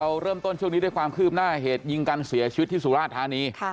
เริ่มต้นช่วงนี้ด้วยความคืบหน้าเหตุยิงกันเสียชีวิตที่สุราธานี